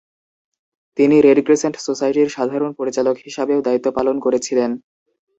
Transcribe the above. তিনি Red Crescent সোসাইটির সাধারণ পরিচালক হিসাবেও দায়িত্ব পালন করেছিলেন।